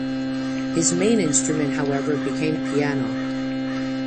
His main instrument, however, became the piano.